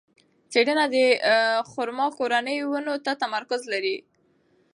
څېړنه د خورما کورنۍ ونو ته تمرکز لري.